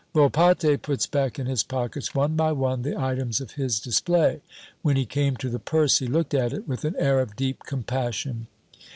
Volpatte puts back in his pockets, one by one, the items of his display. When he came to the purse, he looked at it with an air of deep compassion.